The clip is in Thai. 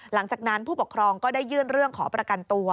หลังจากนั้นผู้ปกครองก็ได้ยื่นเรื่องขอประกันตัว